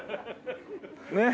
ねっ。